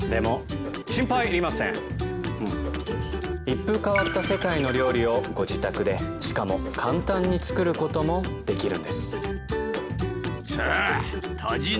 一風変わった世界の料理をご自宅でしかも簡単に作ることもできるんです